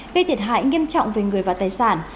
gây thiệt hại nghiêm trọng về người và tài sản